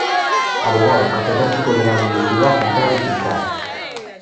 Abogado, catedrático de la Universidad Central y fiscal.